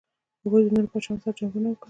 هغوی د نورو پاچاهانو سره جنګونه وکړل.